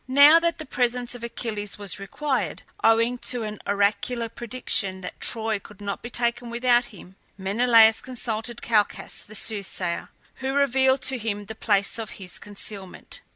Now that the presence of Achilles was required, owing to an oracular prediction that Troy could not be taken without him, Menelaus consulted Calchas the soothsayer, who revealed to him the place of his concealment.